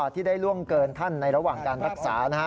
ที่ได้ล่วงเกินท่านในระหว่างการรักษานะฮะ